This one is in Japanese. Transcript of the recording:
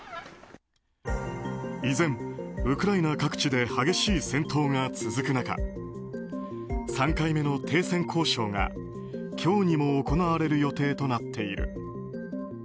依然、ウクライナ各地で激しい戦闘が続く中３回目の停戦交渉が今日にも行われる予定となっている。